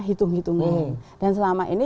hitung hitungan dan selama ini